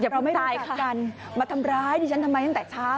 ไม่ตายกันมาทำร้ายดิฉันทำไมตั้งแต่เช้า